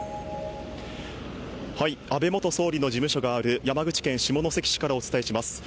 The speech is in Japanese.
安倍元総理の事務所がある山口県下関市からお伝えします。